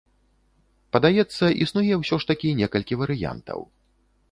Падаецца, існуе ўсё ж такі некалькі варыянтаў.